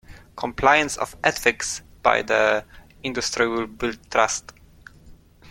Compliance of Ethics by the industry will build trust.